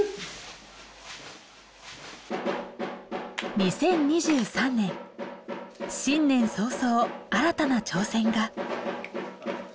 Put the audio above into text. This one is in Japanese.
２０２３年新年早々新たな挑戦が。